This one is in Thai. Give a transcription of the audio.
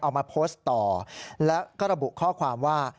เอามาโพสต์ต่อแล้วก็ระบุข้อความว่า